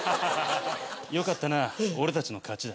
よかったな俺たちの勝ちだ。